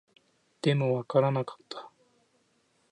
でも、わからなかった